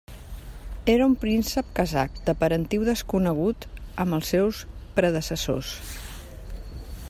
Era un príncep kazakh de parentiu desconegut amb els seus predecessors.